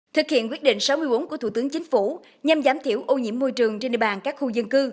thực hiện quyết định sáu mươi bốn của thủ tướng chính phủ nhằm giảm thiểu ô nhiễm môi trường trên địa bàn các khu dân cư